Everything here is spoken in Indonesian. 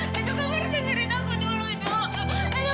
karena gue yakin tes dna itu salah